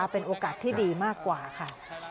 เป็นโอกาสที่ดีมากกว่าค่ะ